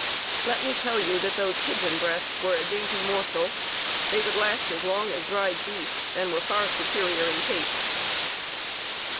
Let me tell you that those pigeon breasts were a dainty morsel, and would last as long as dried beef and was far its superior in taste.